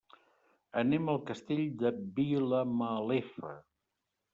Anem al Castell de Vilamalefa.